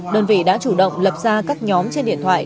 đơn vị đã chủ động lập ra các nhóm trên điện thoại